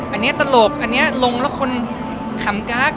อันนี้ตลกอันนี้ลงแล้วคนขำก๊าก